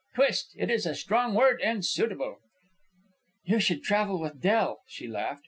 "Twist! It is a strong word, and suitable." "You should travel with Del," she laughed.